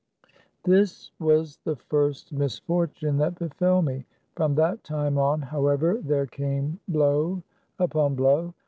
This was the first misfortuue that befell me. From that time on, however, there came blow upon blow.